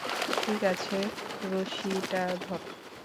ঠিক আছে, রশিটা ধরো।